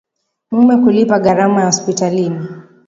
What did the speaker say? Mume kulipa gharama ya hospitalini